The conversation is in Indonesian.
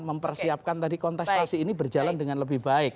mempersiapkan tadi kontestasi ini berjalan dengan lebih baik